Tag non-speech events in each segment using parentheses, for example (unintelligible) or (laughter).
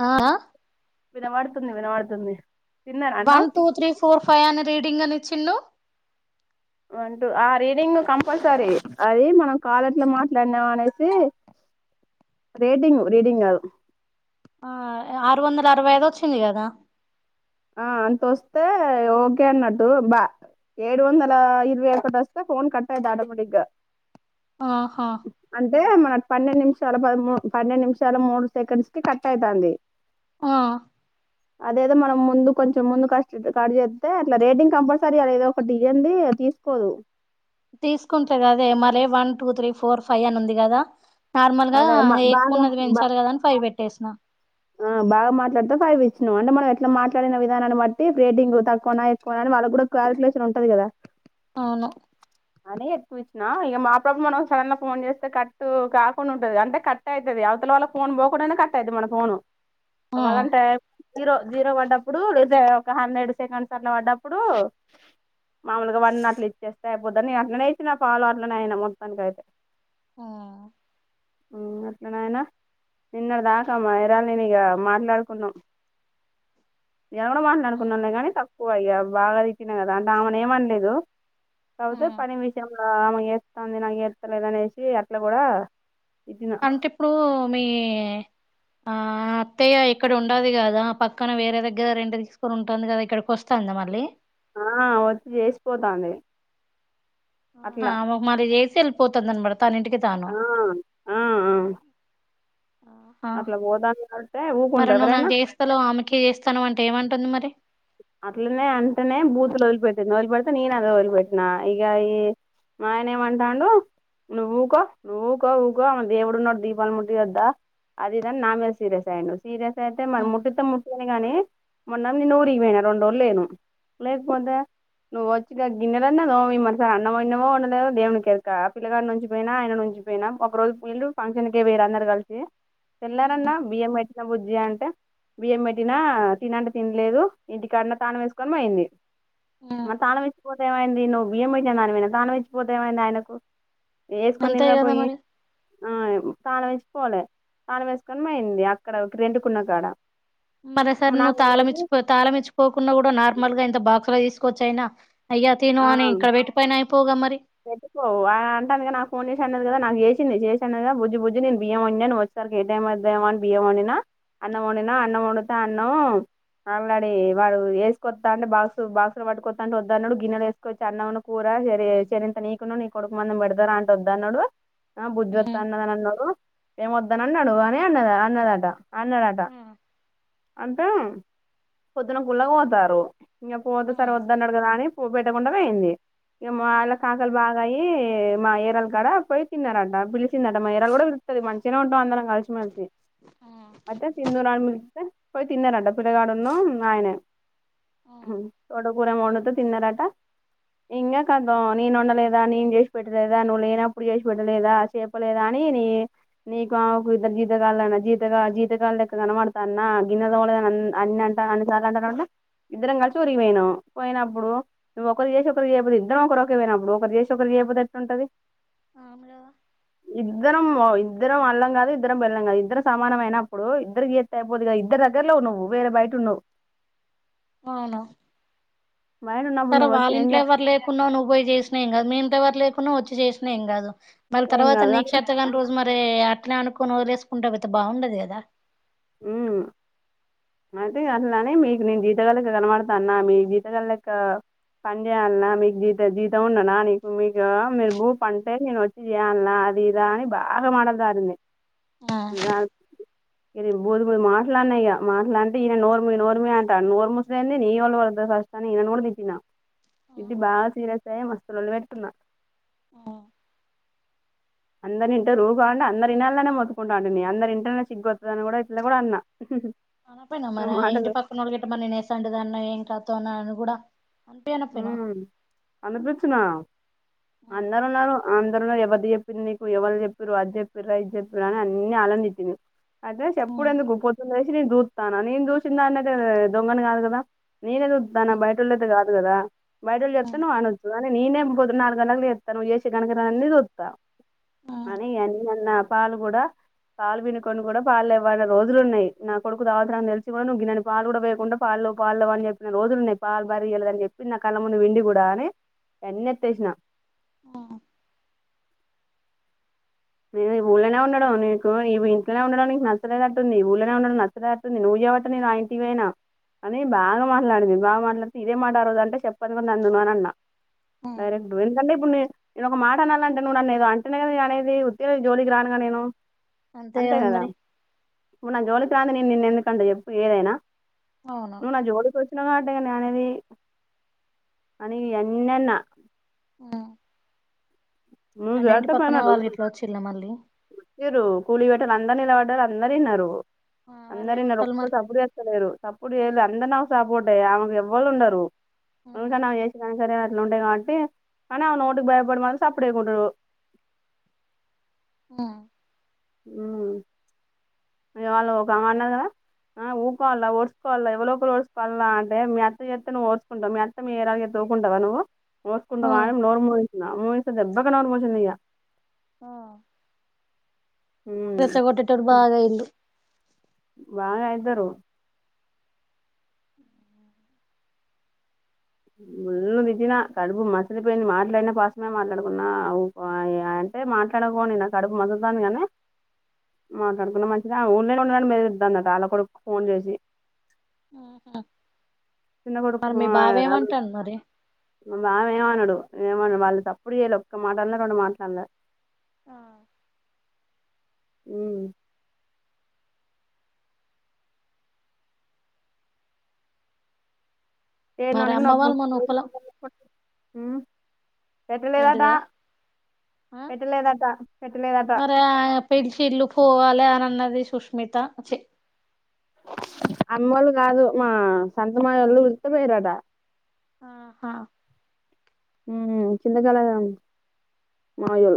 ఆ వినబడుతుంది వినబడుతుంది తిన్నారా అన్నం one two three four five అ ర రింగనిచ్చిండు అంటూ ఆ రీడింగ్ కంపల్సరీ అది మనం కాలట్లో మాట్లాడినాం అనేసి రేడింగ్ రీడింగ్ అ ఆ ఆరు వందల అరవై ఐద వచ్చింది కదా ఆ అంతొస్తే ఓకే అన్నట్టు బా ఏడు వందల ఇరవై ఒకటి వస్తే ఫోన్ కట్టా దాడమడిగ్గా ఆహా అంటే మా పన్నెండు నిమిషాల పూ పన్నెండు నిమిషాల మూడు సెకండ్స్ కి కట్ అవుతతుంది ఆ అదేదా మనం ముందు కొంచెం ముందు క చేస్తే అట్లా రేటింగ్ కంపల్సరీ అ ఏదో ఒకటి ఇజంది తీసుకోదు తీసుకుంటే కదే మర one two three four five అని ఉంది కదా నార్మల్ గా అదే బాగా ఎక్కువున్నది పెంచాలి కదా అని ఫై పెట్ టేస్నా ఆ బా మాట్లాతే ఫైవ్ ఇచ్చా అంటే మనం ఎట్లా మాట్లాడిన విధానాన్ని బట్టి రేటింగ్ తక్కువనా ఎక్కువ అ వాళ్ళకి కూడా క్వాలికకులేషన్ ఉంటది కదా అవును అని ఎక్కువ ఇచ్చినా ఇక మాపబ మనం సడన్ ఫోన్ చేస్తే కట్టు కాకుండా ఉంటది అంటే కట్ అవుతుంది అవతల వాల్ల ఫోన్ పోకుండానే కట్ట అవుది మన ఫోన్ అ ఆ వాళ్ళంటా జీరో జీరో పడ్డప్పుడు లేద ఒక హండ్రెడ్ సెకండ్స్ అట్లా పడ్డప్పుడు మామూలుగా వన్ అట్లు ఇచ్చేస్తే అయిపోదుని నేను అట్లా నేచిన ఫాలోవర్లనే అయిన మొత్తానినికి అయితే ఆ అ ఆయన నిన్నటి దాకా మా ఇదా నేను ఇక మాట్లాడుకున్నా నేను కూడా ఆ మాట్లాడుకున్నా కాని తక్కువ అయ్యా బాగా తిప్పిన కదా అంటే ఆమెను ఏమనలేదు ఆ కాకపోతే పని విషయం ఆమెకుేస్తుంది నాకు ఏస్తలేదునేసి అట్లా కూడా ఇచ్చిన అంటే ఇప్పుడు మీ ఆ అత్తయ్య ఇక్కడ ఉండదు కదా పక్కన వేరే దగ్గర రెంటు తీసుకొని ఉంటుంది కదా ఇక్కడికి వస్తాందా మళ్ళీ ఆ వచ్చి చేసిపోతాంది హా అట్లా మరి చేస్ చెల్పోతుంఉండడు ఆ ఆ ఆ ఆ ఆ అట్లా పోతాంది అంటే మరి ఊకుంటారా నువ్వు ఎవరైనా నాకు చేస్తాలో ఆమెకి చేస్తను అంటే ఏమంట ప మరి అట్లనే అంటేనే బూతులు వదిలిపెట్టింది వదిలిపెడితే నేను అవే వదిలిపెట్టినా ఇగ ఈ మా ఆయన ఏమంటాండు నువ్వు ఊకో నువ్వు ఊకో ఊకో దేవుడున్నడు దీపాలు ముట్టియ్యద్దా అది ఇది అని నా మీద సీరియస్ అయ్యిండు సీరియస్ అయితే మరి ముట్టిత్తే ముట్టియ్యని గాని మొన్న నేను ఊరికి పోయిన రెండు రోజులు లేను లేకపోతే నువ్వు వచ్చిగా గిన్నెలన్నా తోమి మరి సరే అన్నమండినవో వండలేదో దేవునికి ఎర్క ఆ పిల్లగాడ్నుంచి పోయినా ఆయన నుంచి పోయినా ఒక రోజు పీల్ళు ఫంక్షన్కే వేయిర్రు అందరు కలిసి తెళ్ళారన్న బియ్యం పెట్టిన బుజ్జి అంటే బియ్యం పెట్టినా తినంటే తినలేదు ఇంటికానే తానం వేసుకొని పోయింది మ తానంచ్చిపోతే ఏమైంది నువ్వు బియ్యం పోంది దాని మీద తానం ఇచ్చిపోతే ఏమైంది ఆయనకు అంతే వేసుకన్నింగా కదా పోయి మరి ఆ తాళం వేసుకోవాలి తాను వేసుకొని పోయింది అక్కడ ఒక రెంటుకున్న కాడ మరోసారి నాకు నువ్వు ఫోన్ చేసి తాలమిచ్చి పో తాలమిచ్చి పోకుండా కుడా నార్మల్గా ఎంత బాక్స్ పోయి తీసుకొచైనా అయ్యా తిను అని ఆ ఇక్కడ పెట్టి పోయినా అయిపోగా మరి పెట్టుకో అంటే అందుక నాకు ఫోన్ చేసి అన్నది కదా నాకు చేసింది చేసా అన్నదా బుజ్జ బుజ్జి నే బియ్యం వండి అని వచ్చస్తారు ఏ టైం వేమో అని బియ్యం వండినా అన్నం వండి అన్నం వండితే అన్నం మాలాడి వాడు వసుకొ అంటే బాక్స్ బాక్సులు పట్టుకాంటే వద్దు అన్నాడు గిన్నెలు వేసుకోవచ్చు అన్నం కూర చరింత నీకున్నా నీ కొడుకు మంది పెడతార అంటే వద్దన్నాడు బుద్ధి వద్ా అన్నదని అన్నాడు ఏమ వద్దని అన్నాడు అని అన్న అన్నదట అన్నాడట అంటే పొద్దున్న కుళ్ళ పోతారు ఇంక పూతే సర వద్ద అన్నాడు కదా అని పెట్టకుండా పోయింది ఇగ మల్ల కాకలి బాగాయి మా యేరాలు కాడ పొయ్యి తిన్నరంట పిలిచిందట మా యేరాలు కూడా పిల్తది మంచిగనే ఉంటం అందరం కలిసి మెలిసి అయితే సింధూ రా అని పోయి తిన్నారంట పిల్లగాడున్ను ఆయనే హమ్ తోడ కూర వండితే తిన్నరట ఇంగ క అద నేను వండలేదా నేను చేసి పెట్టలేదా నువ్వు లేనప్పుడు చేసి పెట్టలేదా చేపలేదా అనీ నీ నీకు ఆమెకు ఇద్దరు జీతగాల్లేమన్న జీత జీతగాళ్ళ లెక్క కనబడతన్నా గిన్నలు తోమలేదని అన్ అన్నంట అన్నిసార్లు అంటన్నవ్ అంటే ఇద్దరం కలిసి ఊరికిపోయినం పోయినప్పుడు నువ్వు ఒకరికి చేసి ఒకరికి చేయపోతే ఇద్దరం ఒకరు పోయినప్పుడు ఒకరు చేసి ఒకరు చేయపోతే ఎట్లుంటది అవును కదా. ఇద్దరం ఇద్దరం అళ్ళం కాదు ఇద్దరం బేళ్లం కాదు ఇద్దరం సమానం అయినప్పుడు ఇద్దరు గీతి అయిపోదిదా ఇద్దరు దగ్గరలో నువ్వు వేరే బయట ఉన్నవ్ అవునా బయట ఉన్నప్పుడు సరే నువ్వు వచ్చి వాళ్ళ ఏం ఇంట్లో ఎవరు లేకున్నవు నువ్వు పోయి చేసినేం కాదు మీ ఇంతవరు లేకున్నా వచ్చి చేసినా ఏం కాదు మళ్ళీ చేస్తావు ఏం తర్వాత కాదు కానీ నీక్షత కాని రోజు మరి అట్లే అనుకొని వదిలేసుకుంట వోతే బాగుండదు కదా హ్మ్ అయితే అట్లనే మీకు నేను జీతగాల్లెక్క కనబడతాన్నా మీ జీతగాలెక్క పని చేయాలన్నా మీకు జీత జీతం ఉన్ననా నీకు మీకు మీరు భూ పంటే నేను వచ్చి చేయల్నా అది ఇదా అని బాగా మాటలు జారింది ఆ ఇ పోద్ పో మాట్లాన్నయ్య (unintelligible) మాట్లా అంటే ఈయన నోర్మూయ్ నోర్మూయ్ అంటాడు నోరుముసుదేంది నీ వల్లే పడ ఫస్ట్ అని ఈయనను కూడా తిట్టిన తిట్టి బాగా సీరియస్ అయ్యి లోల్లి కూడా పెట్టు కున్న ఆ అందరి ఇంట రూ కావంే అందరిలానే మొతుకుంటా ఉంటు నీ అరి ఇంటనే చిగ్ొతుంది అని కూడా ఇట్లో కూడా అన్నా (unintelligible) అన పోయినవ్ మరి ఆ ఇంటి మాటలు పక్కనోల్ల గిట్ట మరి నేనెసొంటి దాన్నో ఏంటో తోనాను గూడా హ్మ్ అనిపిచ్చినా అందరు ఉన్నారు అ అందరులో ఎవరిదిచెప్పేంది నీకు ఎవరు చెప్పిరు అది చెప్పిరా ఇది చెప్పిరా అని అన్ని ఆనందించింది అదే చేప్పుడు ఎందుకు పొద్దున్న లేసి నేన్ స్తాన నేను చూసిన దాన్నయితే దొంగని కాదు కదా నేనే సూత్తన్న తన బయటోళ్ళయితే కాదు అదదా బైడలు చెతన్నా మన (inaudible) కాని నేనే పొద్దున్న నాలుగు గంటలకు లేత్త నువ్వు చేసే గనకార్యం అన్నీ చూస్తా అనీ అన్నీ అన్న పాలు కూడా పాలు పిండుకొని కూడా పాలు లెవ్వన్న రోజులు ఉన్నాయి నా కొడుకు తాగుతాడని తెలిసి కూడా నువ్వు గిన్నన్ని పాలు కూడా వేయకుండా పాలు లేవు పాలు లేవు అని చెప్పిన రోజులు ఉన్నాయి పాలు బర్రె ఇయ్యలేదని చెప్పింది నా కళ్ళ ముందు విండి కూడా అని అన్నెత్తేసిన ఆ నేను ఊళ్ళనే ఉండడం నీకు న ఇంట్లోనే ఉండడం నీకు నచ్చలేదట్టుంది ఈ ఊళ్ళనే ఉండడం నచ్చలేదట్టుంది నువ్వు చెప్పబట్టె నేను ఆ ఇంటికీ పొయినా అని బాగా మాట్లాడిది బాగా మాట్లాడుతే ఇదే మాట అ రోజు అంటే చెప్ప్ పదికొం అందన్నా అన్నా డైరెక్ట్ంటే ఇప్పుడు (inaudible) నేను ఒక మాట అనాలంటే నువ్వు నన్నేదో అంటేనే కదా నేననేది ఉ జోలీకి రానుగా నేను అంతే కదా ఇప్పుడు నా జోలికి రాంది నేను నిన్నెందుకంట చెప్పు ఏదైనా అవును నువ్వు నా జోలికి వచ్చినవు కా నేనేమి అని ఎన్నన్న ఆ నువ్వు అంటే ఇంటి చేస్తే పైన పక్కన వాళ్ళు గిట్లా వచ్చిళ్లా మళ్ళీ ఇచ్చారు కూలి పెట్టాలి అందరిని నిలబడ్డరు అందరు ఇన్నారు వాళ్ళు అందరిన్నరు ఏమంటారు ఒక్క మరి సప్పుడు చేస్తలేరు సప్పుడు చేయల అందరు నాకు సప్పోర్టే ఆమెకీ ఎవ్వళు ఉండారు ఉకా నాకు చేసినంసరే ఉంటయి కాబట్టి కానీ ఆమె నోటికి భయపడి మాత్రం అప్పుడే కుడు ఆ ఉమ్ మి వాళ్ళు ఒక ఆమె అన్నాది కదా అ ఊ కోవాలా ఓర్చుకోవాలా ఎవరో ఒకళ్ళు ఓర్చూకోవాలా అంటే మీ అత్త చేస్తే నువ్వు డ్చకుంటావు అత్త మీరాగతే ఊకుంటావా నువ్వు ఓచకుంటా నోర్ ముసేసిన మా దెబ్బగా నోర్మసింది ఇగ ఆ రెచ్చగోట్టెటప్పుడు బాగా అందు బాగా అయితారు ముళ్ళ దజిన కడుపు మసలిపోయింది మాట్లాడిన పాసమే మాట్లాడుకున్నా అంటే మాట్లాడుకోని నా కడుపు మసలుతుంది కానీ మాట్లాడుకున్న మంచిగా ఊళ్ళే ఉండ కాని మెదిద్దాకు వాళ్ళ కొడుకు ఫోన్ చేసి (unintelligible) ఆహ చిన్న మరి మీ బావ ఏమంటాండు మరి బామ ఏమనడు ఏమన్నాడు వాళ్ళు సప్పుడు చేయాలే ఒక్క మాటఅనలే రెండు మాట్లాలు అనలే ఆ హు మరి ఎగినినికి అమ్మ వాళ్ళు మొన్న నొప్పోస్తది ఒప్పలే హు ఏంటిదే ఆ పెట్టలేదట పెట్టలేదట మరి ఆ పిలిషిళ్ళు పోవాలి అని అన్నది ది సుష్మిత చె అమ్మోళ్ళు కాదు మా సంతమాయోళ్ళు పిళ్తే పొయిల్లాట ఆహా ఉ కిందకాలజ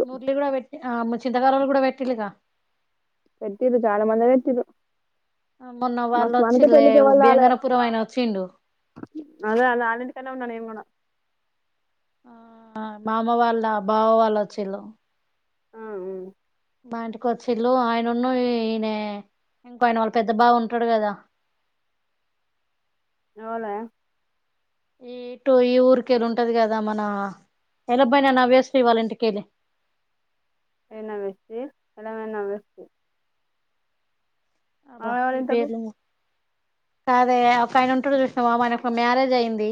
నూర్లీ కూడా పెట్టే ఆమ్ చింతకాలంలో కూడా పెట్టిళ్ళుగా పెట్టిర్రు చాలా మందే పెట్టిర్రు మొన్న వాళ్ళు మాకు అనిత వచ్చిలే పెళ్ళికి ఎవలు రాలె బియంగనపురం ఆయన వచ్చిండు అదే అదే అల్లింటికాన్నే ఉన్నా నిను కూడా ఆ మామ వాళ్ళ బావ వాళ్ళు వచ్చేళ్ళు ఆ ఆ మా ఇంటికి వచ్చిల్లు ఆయనున్ను ఈయనే ఇంకో ఆయన వాళ్ళ పెద్ద బావ ఉంటాడు కదా ఎవలే ఈ ఇటు ఈ ఊరికేళ్ళి ఉంటది కదా మన ఎలా పోయిన నవ్యశ్రీ వాళ్ళ ఇంటికెళ్ళి ఏ నవ్యశ్రీ ఎలాబోయినా నవ్యశ్రీ అబ్బా ఇంతకు ఈపేర్లు ఏ కాదే ఒక ఆయన ఉంటాడు చూసినావా ఆయనకు మ్యారేజ్ అయిద్ధి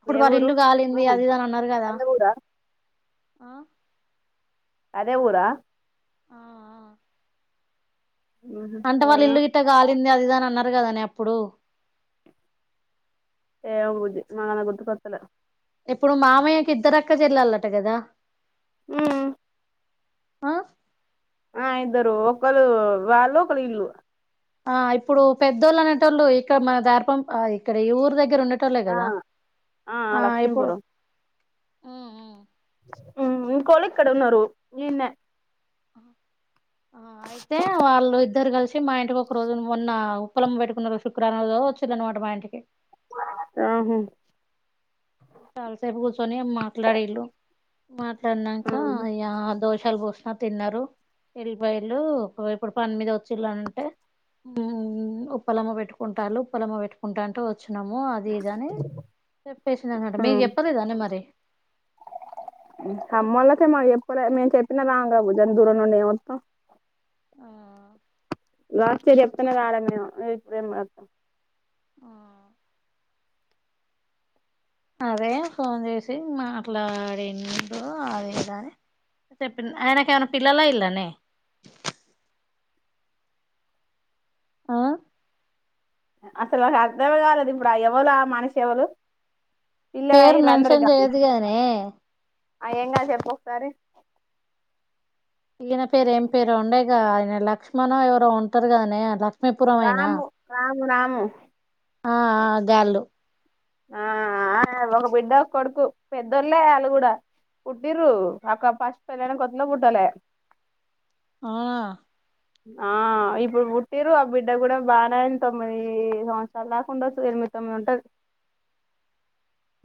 ఇప్పుడు ఏ వాళ్ళ ఊరు ఇల్లు ఆ, కాలేంది అది ఇదని అన్నారు కదా అదే ఊరా ఆ అదే ఊరా ఆ ఆ ఉహు అంటే వాళ్ళ ఏమో ఇల్లు గిట్ట కాలి ంది అదిఇదని అన్నారు కదానే అప్పుడు ఏమో బుజ్జి మన గుర్తు కొతలే ఇప్పుడు మామయ్యకి ఇద్దరక్క చెల్లాలట కదా హు ఆ ఆ ఇద్దరు ఒకలు వాళ్ళు ఒకలు ఇల్లు ఆ ఇప్పుడు పెద్దోళ్ళు అనేటోళ్ళు ఇక్కడ మన దార్పం ఇక్కడ ఈ ఊరు దగ్గర గర ఉండటోల్లే ఆ కదా ఆ ఎప్ ఉ ఊ హు ఇంకోలు ఎక్కడున్నారు ఇన్నే ఆ అయితే వాళ్ళు ఇద్దరు కలిసి వచ్చి మా ఇంటికి ఒక రోజు మొన్న ఉప్పలం పెట్టుకున్న శుక్రారం రోజు వచ్చిందనమాట మా ఇంటికి ఆహో చాలాసేపు కూర్చొని మాట్లాడిళ్ళు మాట్లాడినంక యాదో షాలు పోసిన తిన్నారు ఎల్ బయళలు ఇప్పుడు పని మీద వచ్చిళ్ళ అంటే ఉప్పలమ్మ పెట్టుకుంటారు ఉప్పలమ్మ పెట్టుకుంటా అంటే వచ్చినము అది ఇది అని చెప్పేస్ మీకు జెప్పలేదా (unintelligible) మరే అమ్మోళ్ల కే మాక్ జెప్పలే మేం చెప్పినా రాంగా (inaudible) దూరం నుండి ఏమత్తాం ఆ ఫస్ట్ జెప్తేనే రాలే మేం ఇప్పుడేం (unintelligible) ఆ అదే ఫోన్ చేసి మాట్లాడిండు అదిదని చెప్పింది ఆయనకేమైనా పిల్లలయిల్లానే ఆ అసలు మాకు అర్ధమే కాలేదు ఇప్పుడు ఆ ఎవలు మనిషి ఎవలు పిల్లలు పేరు అయ్యిర్రు మెన్షన్ చయ్యదుగదనే అ ఏంగాదు చెప్పొకసారి ఇయ్యన పేరు ఏం పేరు ఉండేగా ఆయన లక్ష్మణో ఎవరో ఉంటారుగదనే ల పే (unintelligible) పురమాయన రాము రాము రాము ఆ గాళ్ళు ఆ ఒక బిడ్డ ఒక కొడుకు పెద్దోళ్ళే వాళ్ళు కూడా పుట్టిరు అక్క ఫస్ట్ పెళ్ళైన కొత్తలో పుట్టలే ఆ ఆ ఇప్పుడు పుట్టిర్రు ఆ బిడ్డ కూడా బాగానే తొమ్మిది సంవత్సరలు దాకుండొచ్చు ఎనిమిది తొమ్మిది ఉంటుది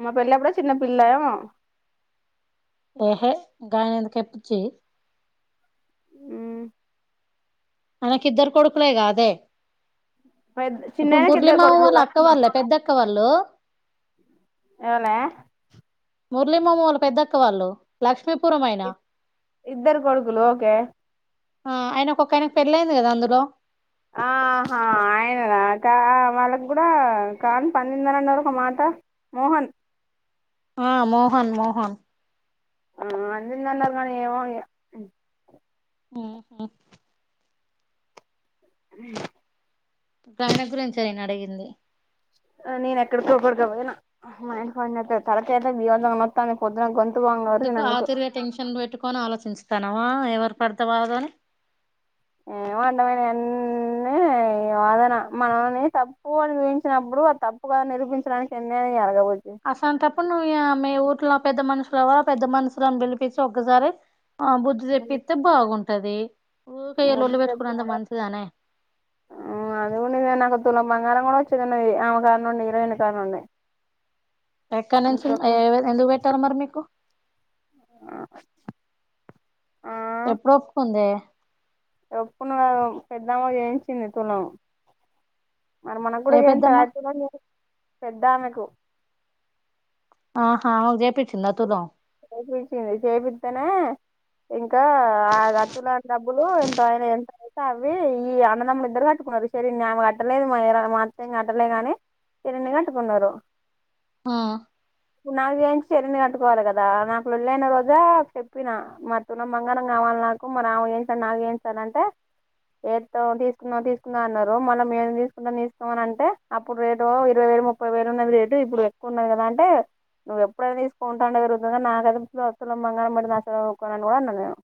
మా పెళ్ళప్పుడే చిన్న పిల్ల ఏమో ఏహే ఇంకాగాయన ఎందుకేప్పిచ్చి మ్ అయన కిద్దరు కొడుకులేగా అదే పెద్ద ఇప్పుడు చిన్నాయనకి ఇద్దరు ముురళిమామ కొడుకులు వాళ్ళ అక్కవాళ్ళ పెద్దక్కవా లో అవునా మురళి మామ వాళ్ళ పెద్దక్క వాళ్ళు లక్ష్మీపురం అయనా ఇద్దరు కొడుకులు ఓకే ఆ ఆయన ఒక్కొక్క ఆయనకి పెళ్ళయింది గదా అందులో ఆహ ఆయన కా వాళ్ళక్కూడా కానీ పందిందని అన్నారు ఒక మాట మోహన్ ఆ మోహన్ మోహన్ ఆ అందన్నరు గాని ఏమో ఇగ ఆ హ గ (unintelligible) గురించి అయినా అడిగింది నేనెక్కడికోక్కడికి పోయినా మా ఆయన ఫోన్ చేత్తాడు తలకాయంతా భీభసంగా నొస్తాంది పొద్దున గొం ఎందుకు ఆతుర్య టెన్షన్ పెట్టు కొని ఆలోచించుతన్నావా ఎవరు పడితే వాళ్ళదని ఏమడైడమైన అన్నీ వాదన మనవల్ని తప్పు అని చూయించినప్పుడు ఆ తప్పు కదని నిరూపించడానికి ఎన్ని జరగబో అసా తప్పుడు నువమెఊ ట్లా పెద్ద మనుషులవ ఆ పెద్ద మనుషుని పిలిపించి ఒక్కసారి బుధదేవవిత బాగుంట పట్టద ము అది నాకల బంగారంం కూడా వచ్చిన్నా ఆమ కారణడి ఇన కారణే ఎక్కనస ఎందు పెట్టారం మరిమకు ఎప్పుడ ఒప్పుకుంది ఎప్పును కా పెద్దామో చేయించింది తులం మరి మన కూడా ఏ ఏం పెద్దమ్మ స పెద్దామె కు ఆహా అ జయపిట్టిింద తలో చేపచింది చేపిద్దానే ఇ కా ఆ అతుల అంత డబ్బులు ఎంత ఆయన ఎంత అయితే అవి ఈ అన్నదమ్ములు ఇద్దరు కట్టుకున్నారు శరీని ఆమె కట్టలేదు మా మాత్రం కట్టలే గాని శరీ కట్టుకున్నారు ఆ నాగు చేేయి చ చెరని కట్టువాలి కదా నాకు ళ్ళ అయిన రోజా చెప్పిన మ తన్న బంగారం కావాలి నాకు మరి ఆ ఏం సార్ నాకు ఏం సార్ అంటే ఏ తీసుకుందాం తీసుకుందా అన్నారు మళ్ళ మేం తీసుకుందాం తీసుకుమ అని అంటే అప్పుడు రేటు ఇరవై వేలు ముప్పై వేలు ఉన్నది రేటు ఇప్పుడు ఎక్కువ ఉన్నది కదా అంటే నువ్వు ఎప్పుడైనా తీసుకుంటాండ ముంగా నాకదస్తుల మంగళ పట్డి నాంని కూడా అన్నా నేను